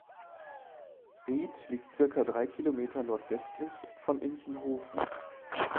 Ried liegt circa drei Kilometer nordwestlich von Inchenhofen.